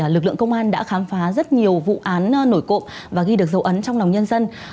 lực lượng công an đã khám phá rất nhiều vụ án nổi cộng và ghi được dấu ấn trong lòng nhân dân